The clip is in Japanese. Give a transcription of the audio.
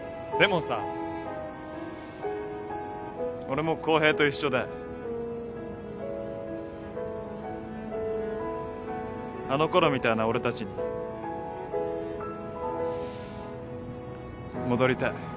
でもさ俺も公平と一緒であのころみたいな俺たちに戻りたい。